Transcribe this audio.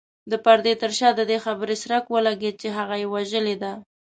د پردې تر شا د دې خبرې څرک ولګېد چې هغه يې وژلې ده.